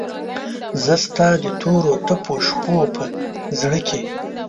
زه ستا دتوروتپوشپوپه زړه کې